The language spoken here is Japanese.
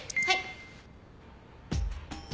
はい。